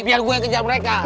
biar gue kejar mereka